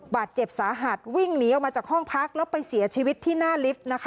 บาดเจ็บสาหัสวิ่งหนีออกมาจากห้องพักแล้วไปเสียชีวิตที่หน้าลิฟต์นะคะ